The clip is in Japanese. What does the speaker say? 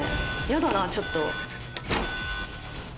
やだなちょっと。